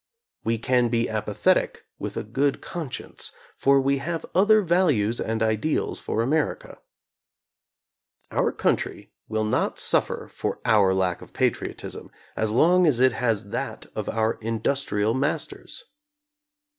We can be apathetic with a good conscience, for we have other values and ideals for America. Our country will not suffer for our lack of patriotism as long as it has that of our industrial masters.